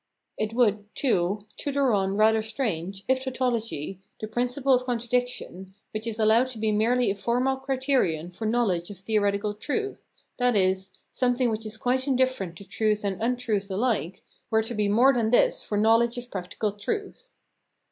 It would, too, tutur on 422 Phenomenology of Mind rather strange, if tautology, the principle of contra diction, which is allowed to be merely a formal criterion for knowledge of theoretical truth, i.e. something which is quite indifferent to truth and untruth alike, were to be more than this for knowledge of practical truth.